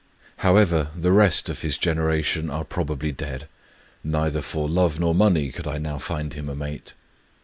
However, the rest of his gen eration are probably dead: neither for love nor money could I now find him a mate.